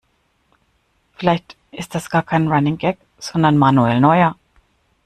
Vielleicht ist das gar kein Running Gag, sondern Manuel Neuer.